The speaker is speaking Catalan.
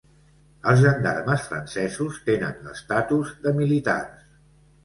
Els gendarmes francesos tenen l'estatus de militars.